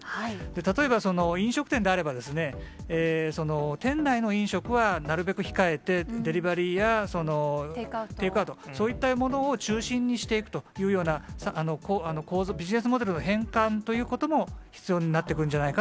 例えば、飲食店であれば、店内の飲食はなるべく控えて、デリバリーやテイクアウト、そういったものを中心にしていくというような、構図、ビジネスモデルの変換ということも必要になってくるんじゃないか